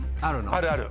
あるある。